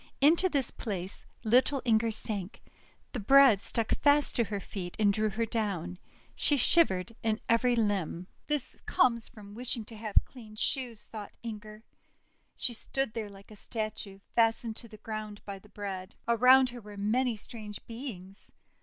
Into this place little Inger sank; the bread stuck fast to her feet, and drew her down. She shiv ered in every limb. 'This comes from wishing to have clean shoes," thought Inger. She stood there like a statue, fastened to the ground by the bread. Around her were many strange beings.